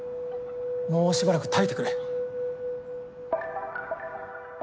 もうしばらく耐えてくれ。